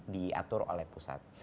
diatur oleh pusat